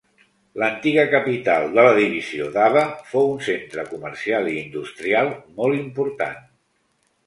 L'antiga capital de la Divisió d'Aba fou un centre comercial i industrial molt important.